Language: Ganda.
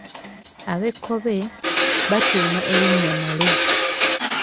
Ab’Ekkobe batuuma erinnya Male.